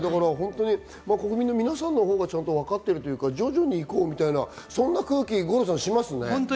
国民の皆さんのほうがちゃんと分かってるというか、徐々に行こうという空気がしますよね。